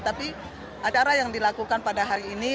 tapi acara yang dilakukan pada hari ini